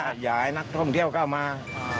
อยากให้นักท่องเที่ยวเข้ามา